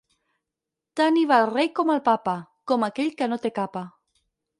Tant hi va el rei com el Papa, com aquell que no té capa.